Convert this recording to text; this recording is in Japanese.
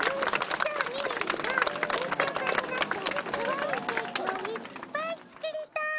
じゃあみみりんはケーキ屋さんになってかわいいケーキをいっぱい作りたい！